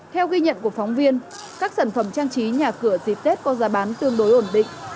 theo ghi nhận của phóng viên các sản phẩm trang trí nhà cửa dịp tết có giá bán tương đối ổn định